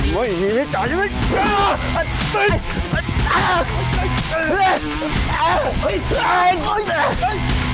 ไม่มีไม่จ่ายยังไง